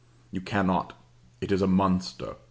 You cannot. It is a monster.